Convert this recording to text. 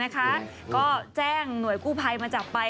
ก็แจ้งหน่วยกู้ภัยมาจับไป